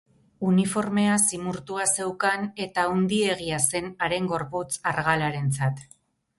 Uniformea zimurtua zeukan eta handiegia zen haren gorputz argalarentzat.